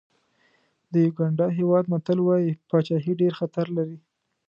د یوګانډا هېواد متل وایي پاچاهي ډېر خطر لري.